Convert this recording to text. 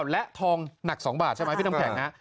๑๔๙๙๙๙และทองหนัก๒บาทใช่ไหมพี่ตำแข่ง